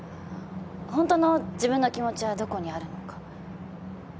ホントの自分の気持ちはどこにあるのか。